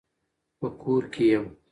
په کور کي يم .